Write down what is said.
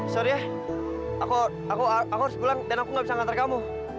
sorry ya aku harus pulang dan aku gak bisa ngantar kamu